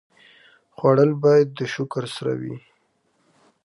خوړل باید د شکر سره وي